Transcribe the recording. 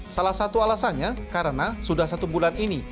salah satu alasannya karena sudah satu bulan ini